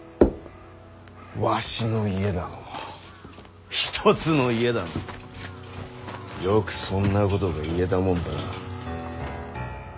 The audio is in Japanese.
わしの家だの一つの家だのよくそんなことが言えたもんだな。